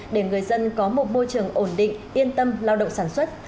để người dân có một môi trường ổn định yên tâm lao động sản xuất